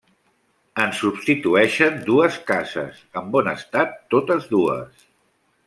En subsisteixen dues cases, en bon estat totes dues.